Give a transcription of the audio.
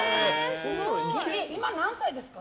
今、何歳ですか？